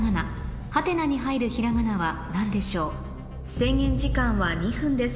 制限時間は２分です